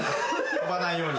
飛ばないように。